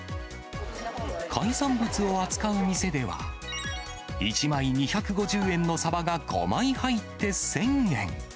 海産物を扱う店では、１枚２５０円のサバが５枚入って１０００円。